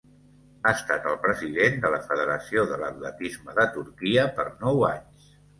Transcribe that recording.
Ha estat el president de la Federació de l'Atletisme de Turquia per nou anys.